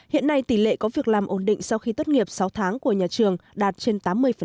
hiện nay tỷ lệ có việc làm ổn định sau khi tốt nghiệp sáu tháng của nhà trường đạt trên tám mươi